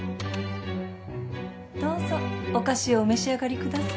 どうぞお菓子をお召し上がりください。